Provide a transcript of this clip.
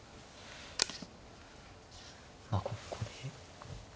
まあここで。